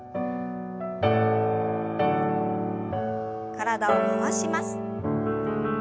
体を回します。